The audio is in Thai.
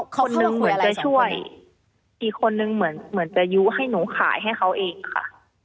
คนหนึ่งเหมือนจะช่วยอีกคนนึงเหมือนเหมือนจะยุให้หนูขายให้เขาเองค่ะ